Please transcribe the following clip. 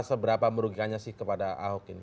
seberapa merugikannya sih kepada ahok ini